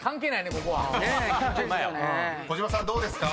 ［小島さんどうですか？